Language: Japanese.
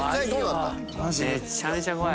めちゃめちゃ怖い。